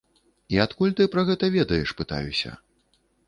І адкуль ты пра гэта ведаеш, пытаюся.